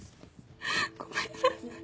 ごめんなさい。